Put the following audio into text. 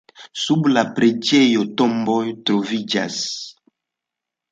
Sub la preĝejo tomboj troviĝas.